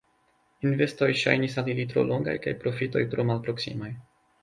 Investoj ŝajnis al ili tro longaj kaj profitoj tro malproksimaj.